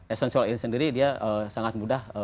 essential ini sendiri dia sangat mudah